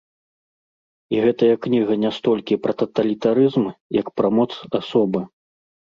І гэтая кніга не столькі пра таталітарызм, як пра моц асобы.